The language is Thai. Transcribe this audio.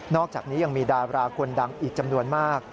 อกจากนี้ยังมีดาราคนดังอีกจำนวนมาก